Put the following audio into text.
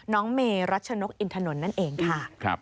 น้องเมรัชนกอินทนนท์นั่นเองค่ะ